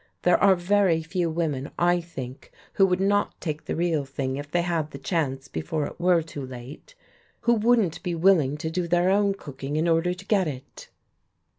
There are very few women, I think, who would not take the real thing if they had the chance before it were too late, who wouldn't be willing to do their own cooking in order to get it."